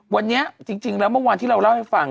วันนี้จริงแล้วเมื่อวานที่เราเล่าให้ฟัง